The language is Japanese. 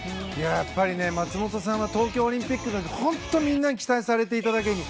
やっぱり松元さんは東京オリンピックでみんなに期待されていただけに。